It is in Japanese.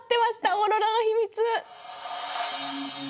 オーロラの秘密！